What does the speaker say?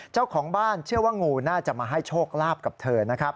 เจ้าของบ้านเชื่อว่างูน่าจะมาให้โชคลาภกับเธอนะครับ